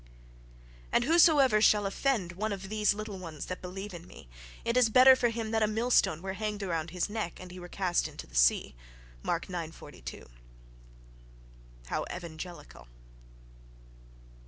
"And whosoever shall offend one of these little ones that believe in me, it is better for him that a millstone were hanged about his neck, and he were cast into the sea" (Mark ix, 42).—How evangelical!...